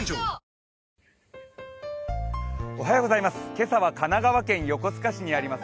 今朝は神奈川県横須賀市にあります